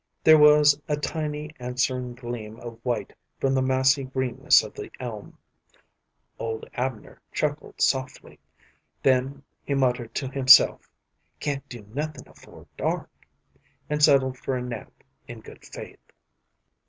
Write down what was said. There was a tiny answering gleam of white from the massy greenness of the elm. Old Abner chuckled softly. Then he muttered to himself, "Can't do nothin' afore dark," and settled for a nap in good faith.